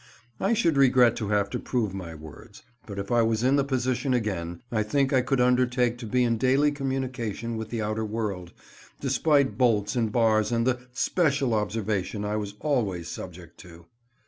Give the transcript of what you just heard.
I should regret to have to prove my words, but if I was in the position again, I think I could undertake to be in daily communication with the outer world, despite bolts and bars and the "special" observation I was always subject to.